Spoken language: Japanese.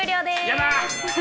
やだ！